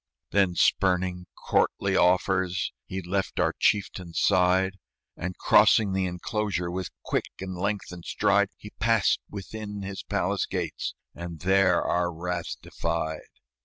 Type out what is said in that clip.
Then, spurning courtly offers He left our chieftain's side, And crossing the enclosure With quick and lengthened stride, He passed within his palace gates, And there our wrath defied.